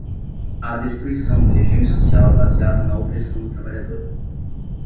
à destruição do regime social baseado na opressão do trabalhador